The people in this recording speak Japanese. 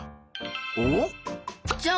おっ！